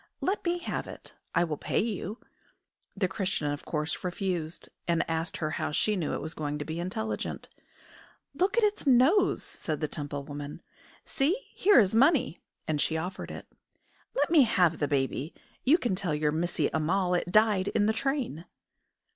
Let me have it; I will pay you." The Christian of course refused, and asked her how she knew it was going to be intelligent. "Look at its nose," said the Temple woman. "See, here is money!" and she offered it. "Let me have the baby! You can tell your Missie Ammal it died in the train!"